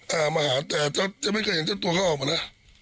อ่ามาหาแต่จะไม่เคยเห็นเจ้าตัวเขาออกมานะ